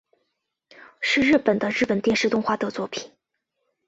是日本的日本电视动画的作品。